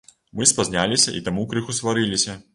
Мы спазняліся і таму крыху сварыліся.